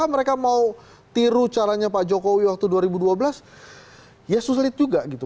jadi kalau tiru caranya pak jokowi waktu dua ribu dua belas ya sulit juga gitu